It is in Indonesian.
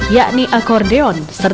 yakni akordeon serta viola